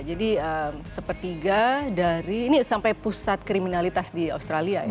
jadi sepertiga dari ini sampai pusat kriminalitas di australia ya